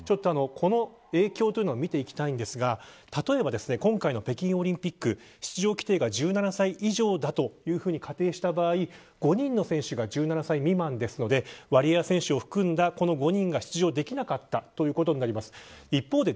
この影響というのを見ていきたいんですが例えば、今回の北京オリンピック出場規定が１７歳以上だと仮定した場合に５人の選手が１７歳未満なのでワリエワ選手を含んだ５人が出場できなかったということになります。